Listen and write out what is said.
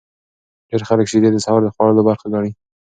ډیر خلک شیدې د سهار د خوړلو برخه ګڼي.